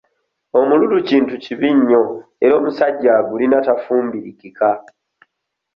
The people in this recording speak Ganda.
Omululu kintu kibi nnyo era omusajja agulina tafumbirikika.